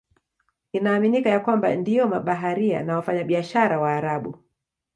Inaaminika ya kwamba ndio mabaharia na wafanyabiashara Waarabu.